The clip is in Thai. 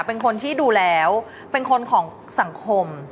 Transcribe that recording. เป็นคนที่ดูแล้วเป็นคนของสังคม